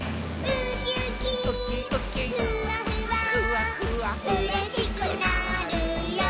「うれしくなるよ」